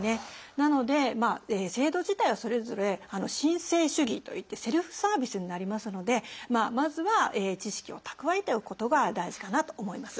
なので制度自体はそれぞれ「申請主義」といってセルフサービスになりますのでまずは知識を蓄えておくことが大事かなと思います。